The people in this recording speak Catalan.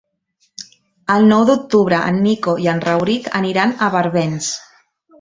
El nou d'octubre en Nico i en Rauric aniran a Barbens.